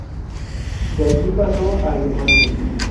De allí pasó a Alemania.